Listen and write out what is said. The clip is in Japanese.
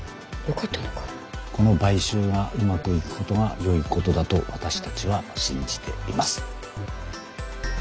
この買収がうまくいくことがよいことだと私たちは信じています。